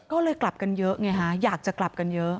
ก็เลยกลับกันเยอะไงฮะอยากจะกลับกันเยอะ